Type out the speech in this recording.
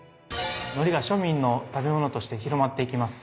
のりが庶民の食べ物として広まっていきます。